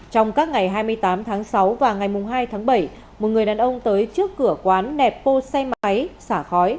trong các ngày hai mươi tám tháng sáu và ngày hai tháng bảy một người đàn ông tới trước cửa quán nẹp bô xe máy xả khói